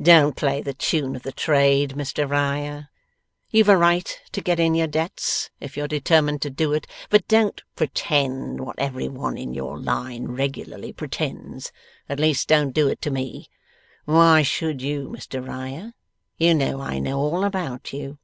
'Don't play the tune of the trade, Mr Riah. You've a right to get in your debts, if you're determined to do it, but don't pretend what every one in your line regularly pretends. At least, don't do it to me. Why should you, Mr Riah? You know I know all about you.